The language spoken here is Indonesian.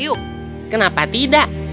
kau akan memotong kayu